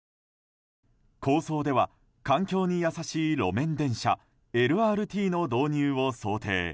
構想では環境に優しい路面電車ＬＲＴの導入を想定。